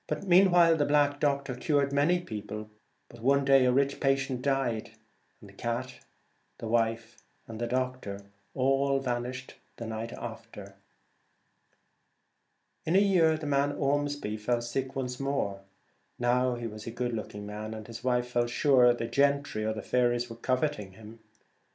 Meanwhile the black doctor cured many people ; but one day a rich patient died, and cat, wife, and doctor all vanished the night after. In a year the man Ormsby fell sick once more. Now he was a good looking man, and his wife felt sure the ' gentry were coveting him.